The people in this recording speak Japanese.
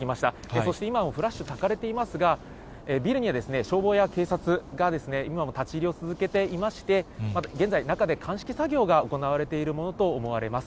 そして今もフラッシュたかれていますが、ビルには消防や警察が今も立ち入りを続けていまして、まだ現在、中で鑑識作業が行われているものと思われます。